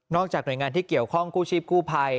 จากหน่วยงานที่เกี่ยวข้องกู้ชีพกู้ภัย